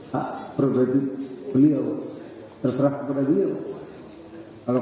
hak prerogatif beliau terserah kepada beliau